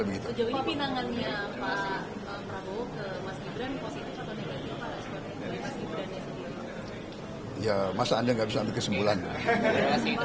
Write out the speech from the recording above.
sejauh ini pinangannya pak prabowo ke mas gibran apakah itu satu negatif yang paling sebutan dari mas gibran yang sedia